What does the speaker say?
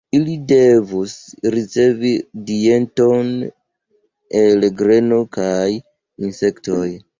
Ili devus ricevi dieton el greno kaj insektoj.